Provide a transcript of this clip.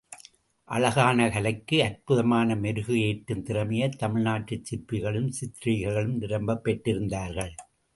அழகான கலைக்கு அற்புதமான மெருகு ஏற்றும் திறமையை தமிழ்நாட்டுச் சிற்பிகளும், சித்ரீகர்களும் நிரம்பப் பெற்றிருந்தார்கள்.